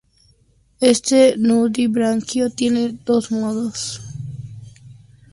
Este nudibranquio tiene dos modos muy diferentes de locomoción: el rastreo y la natación.